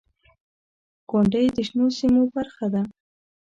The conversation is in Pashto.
• غونډۍ د شنو سیمو برخه ده.